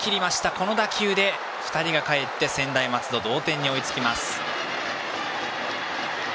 この打球で２人がかえって専大松戸、同点に追いつきます。